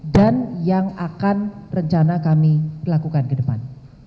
dan yang akan rencana kami lakukan ke depan